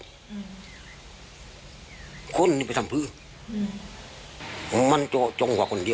เอาคนไปทำแบบนี่